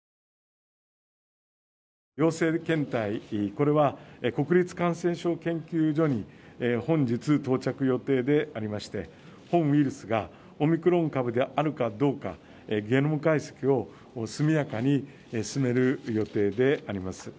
陽性検体、これは国立感染症研究所に本日、到着予定でありまして、本ウイルスがオミクロン株であるかどうか、ゲノム解析を速やかに進める予定であります。